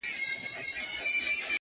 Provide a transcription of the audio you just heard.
جنگ روان ـ د سولي په جنجال کي کړې بدل.